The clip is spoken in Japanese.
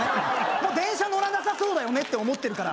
もう電車乗らなさそうだよねって思ってるから